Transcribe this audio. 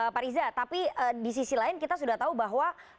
pak riza tapi di sisi lain kita sudah tahu bahwa